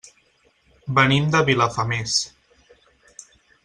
Venim de Vilafamés.